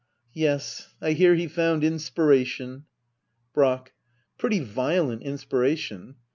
Yes, I hear he found inspiration. Brack. Pretty violent inspiration.